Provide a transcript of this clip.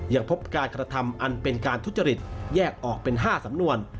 ยังพบการกระทำอันเป็นการทุจริตแยกออกเป็น๕สำนวน